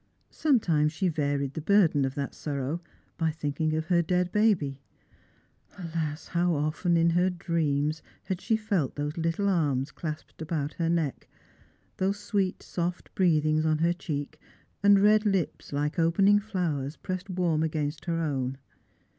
Sometimes she varied the burden of that sorrow by thinking of her dead baby — alas ! ho\^ often in her dreams had she felt those little arms clasped about her neck, those sweet soft breathings on her cheek, and red lips like opening fiowers pressed warm against her own